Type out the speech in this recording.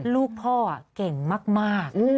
ลูกพ่อเก่งมาก